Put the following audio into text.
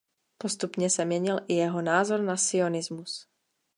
Postupně se měnil i jeho názor na sionismus.